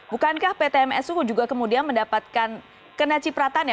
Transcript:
bukankah pt msu juga kemudian mendapatkan kena cipratan ya